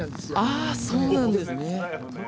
あそうなんですね。